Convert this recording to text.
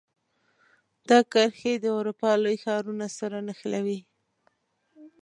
دا کرښې د اروپا لوی ښارونو سره نښلوي.